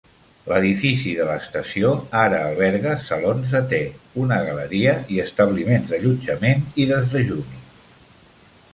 L'edifici de l'estació ara alberga salons de te, una galeria i establiments d'allotjament i desdejuni.